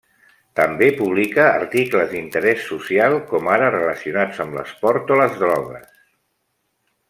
També publica articles d'interès social, com ara relacionats amb l'esport o les drogues.